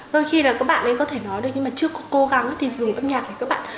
đôi khi là các bạn ấy có thể nói được nhưng mà chưa có cố gắng thì dùng âm nhạc này các bạn